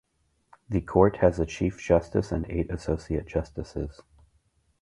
The Court has a Chief Justice and eight associate justices.